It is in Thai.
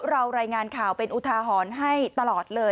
รายงานข่าวเป็นอุทาหรณ์ให้ตลอดเลย